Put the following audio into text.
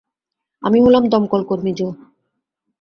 আমি হলাম দমকলকর্মী, জো।